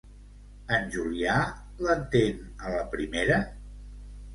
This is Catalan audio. En Julià l'entén a la primera?